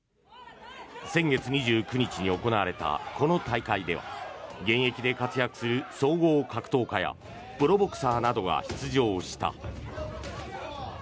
先月２９日に行われたこの大会では現役で活躍する総合格闘家やプロボクサーなどが出場した。